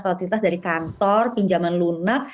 fasilitas dari kantor pinjaman lunak